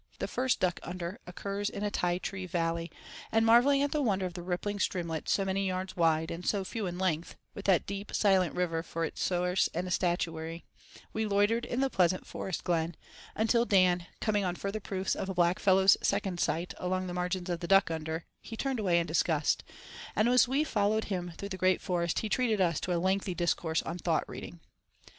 The first "duck under" occurs in a Ti Tree valley, and, marvelling at the wonder of the rippling streamlet so many yards wide and so few in length, with that deep, silent river for its source and estuary—we loitered in the pleasant forest glen, until Dan, coming on further proofs of a black fellow's "second sight" along the margins of the duck under, he turned away in disgust, and as we followed him through the great forest he treated us to a lengthy discourse on thought reading.